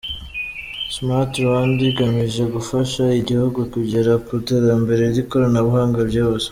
Smart Rwanda igamije gufasha igihugu kugera ku iterambere ry’ikoranabuhanga byihuse.